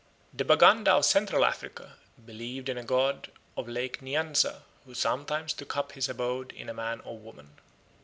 The Baganda of Central Africa believed in a god of Lake Nyanza, who sometimes took up his abode in a man or woman.